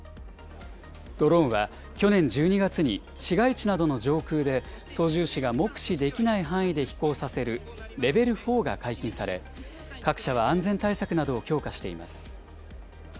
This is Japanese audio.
ドローンは去年１２月に市街地などの上空で操縦士が目視できない範囲で飛行させるレベル４が解禁され、各社は安全対策などを強化しています。